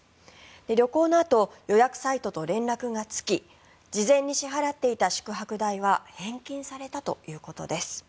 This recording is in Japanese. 旅行のあと予約サイトと連絡がつき事前に支払っていた宿泊代は返金されたということです。